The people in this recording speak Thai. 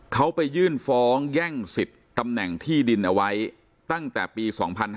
เขาไปยื่นฟ้องแย่งสิทธิ์ตำแหน่งที่ดินเอาไว้ตั้งแต่ปี๒๕๕๙